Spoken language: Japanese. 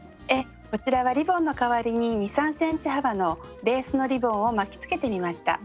こちらはリボンの代わりに２３ｃｍ幅のレースのリボンを巻きつけてみました。